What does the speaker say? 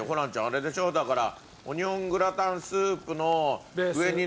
あれでしょ？だから。